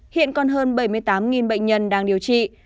hiện còn hơn bảy mươi tám bệnh nhân đang điều trị